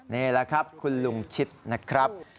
นี่แหละครับคุณลุงชิดนะครับ